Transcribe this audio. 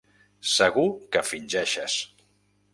Segur que fingeixes.